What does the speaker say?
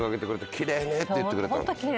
「キレイね」って言ってくれたの。